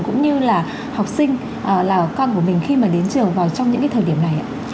cũng như là học sinh là con của mình khi mà đến trường vào trong những cái thời điểm này ạ